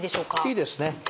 いいですね。